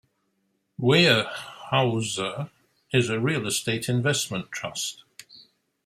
Weyerhaeuser is a real estate investment trust.